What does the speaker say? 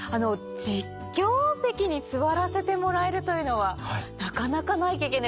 実況席に座らせてもらえるというのはなかなかない経験で。